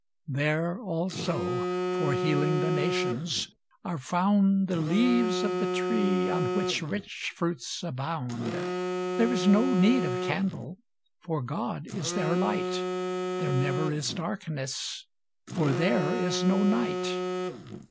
There also, for healing the nations, are found The leaves of the tree on which rich fruits abound; There is no need of candle, for God is their light, There never is darkness, for "there is no night."